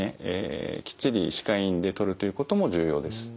きっちり歯科医院で取るということも重要です。